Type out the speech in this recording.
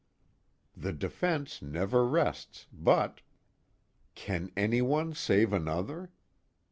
The defense never rests, but _Can anyone save another?